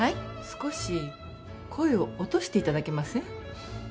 少し声を落としていただけません？